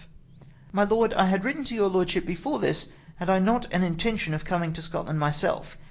My Lord, — I had written to your lordship before this had I not an intention of coming to Scotland myself.